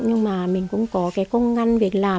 nhưng mà mình cũng có cái công ngăn việc làm